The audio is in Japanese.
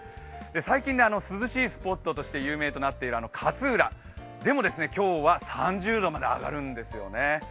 最近、涼しいスポットとして有名となっている勝浦でも今日は３０度まで上がるんですよね。